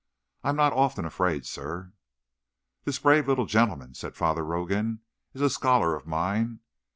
I'm not often afraid, sir." "This brave little gentleman," said Father Rogan, "is a scholar of mine.